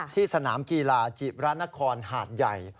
ที่สนามกีฬาจิบระนครหาดใหญ่